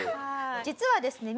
実はですね